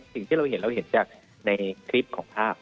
สิ่งที่เราเห็นเราเห็นจากในคลิปของภาพ